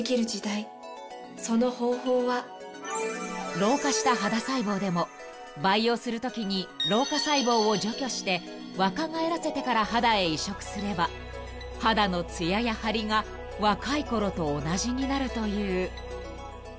［老化した肌細胞でも培養するときに老化細胞を除去して若返らせてから肌へ移植すれば肌の艶や張りが若いころと同じになるという］